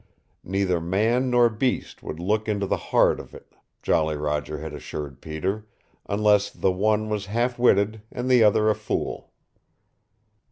Neither man nor beast would look into the heart of it, Jolly Roger had assured Peter, unless the one was half witted and the other a fool.